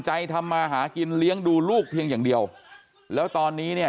ทำมาหากินเลี้ยงดูลูกเพียงอย่างเดียวแล้วตอนนี้เนี่ย